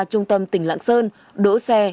trung tâm tỉnh lãng sơn đổ xe